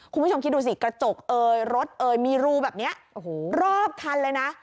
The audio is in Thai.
คุณผู้ชมคิดดูสิกระจกรถมีรูแบบนี้รอบคันเลยนะ